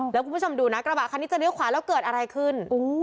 แล้วคุณผู้ชมดูนะกระบะคันนี้จะเลี้ยขวาแล้วเกิดอะไรขึ้น